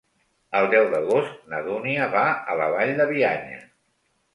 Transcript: El deu d'agost na Dúnia va a la Vall de Bianya.